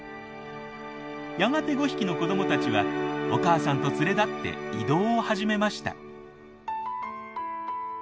やがて５匹の子どもたちはお母さんと連れ立って移動を始めました。